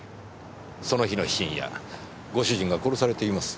その日の深夜ご主人が殺されています。